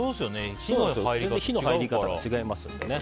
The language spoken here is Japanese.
火の入り方が違いますからね。